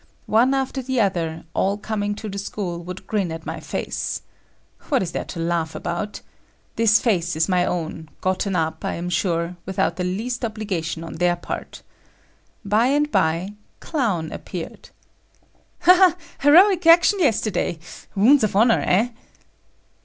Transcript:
One after the other, all coming to the school would grin at my face. What is there to laugh about! This face is my own, gotten up, I am sure, without the least obligation on their part. By and by, Clown appeared. "Ha, heroic action yesterday. Wounds of honor, eh?"